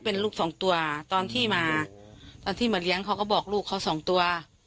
เป็นลูกสองตัวตอนที่มาตอนที่มาเลี้ยงเขาก็บอกลูกเขาสองตัว